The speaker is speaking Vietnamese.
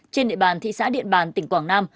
trên địa bàn thị xã điện bàn tỉnh quảng nam